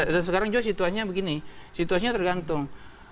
dan sekarang juga situasinya begini situasinya tergantung